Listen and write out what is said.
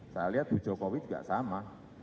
saya lihat bu jokowi juga sama